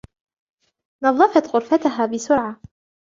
نظفت غرفتها بسرعة.